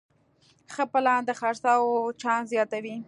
ښه پلان د خرڅلاو چانس زیاتوي.